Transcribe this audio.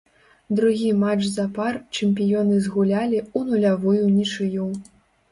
Другі матч запар чэмпіёны згулялі ў нулявую нічыю.